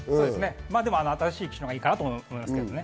でも新しい機種のほうがいいと思いますけれどね。